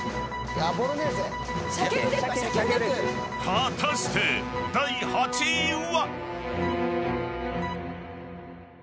［果たして第８位は⁉］